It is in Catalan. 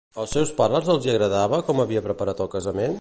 Als seus pares els hi agradava com havia preparat el casament?